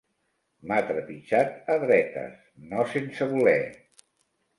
M'ha trepitjat a dretes, no sense voler!